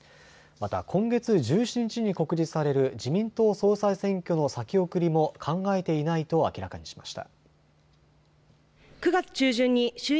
また今月１７日に告示される自民党総裁選挙の先送りも考えていないと明らかにしました。